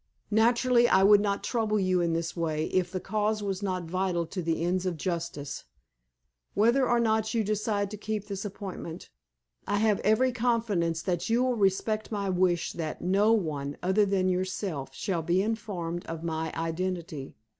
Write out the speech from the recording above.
Naturally, I would not trouble you in this way if the cause was not vital to the ends of justice. Whether or not you decide to keep this appointment, I have every confidence that you will respect my wish that_ no one_, other than yourself, shall be informed of my identity.